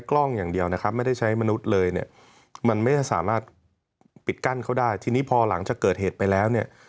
ปกติว่ามันไม่สามารถปิดกั้นเขาได้ทีนี้พอหลังจะเกิดเหตุไปแล้วเนี่ย